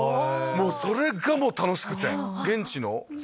それがもう楽しくて。